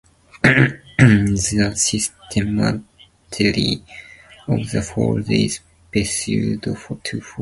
The symmetry of the fold is pseudo two-fold.